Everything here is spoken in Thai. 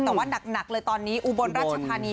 แต่ว่าหนักเลยตอนนี้อุบลราชธานี